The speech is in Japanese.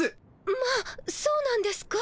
まあそうなんですか。